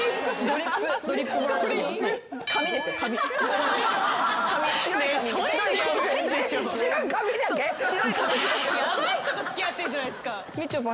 ヤバい人と付き合ってんじゃないですか。